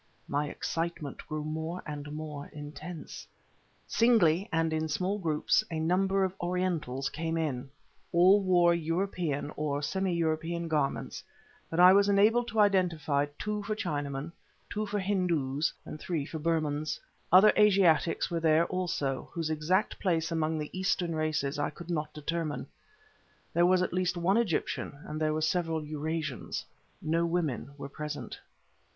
My excitement grew more and more intense. Singly, and in small groups, a number of Orientals came in. All wore European, or semi European garments, but I was enabled to identify two for Chinamen, two for Hindus and three for Burmans. Other Asiatics there were, also, whose exact place among the Eastern races I could not determine; there was at least one Egyptian and there were several Eurasians; no women were present.